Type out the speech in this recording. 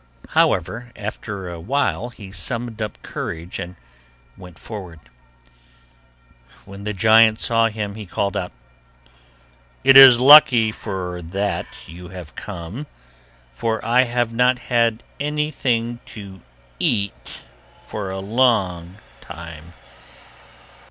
However, after a while he summoned up courage and went forward. When the giant saw him, he called out, 'It is lucky for that you have come, for I have not had anything to eat for a long time.